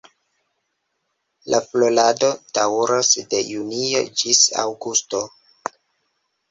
La florado daŭras de junio ĝis aŭgusto.